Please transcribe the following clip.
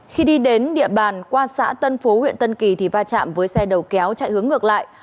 khi đi đến địa bàn qua xã tân phú huyện tân kỳ thì va chạm với xe đầu kéo chạy hướng ngược lại